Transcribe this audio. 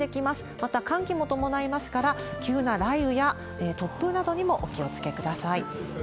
また寒気も伴いますから、急な雷雨や突風などにもお気をつけください。